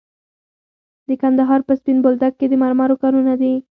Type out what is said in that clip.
د کندهار په سپین بولدک کې د مرمرو کانونه دي.